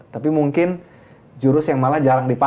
tapi mungkin jurus yang malah jarang dipakai